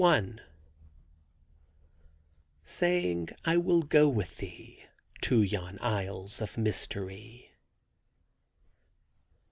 Saying "I will go with thee To yon isles of mystery."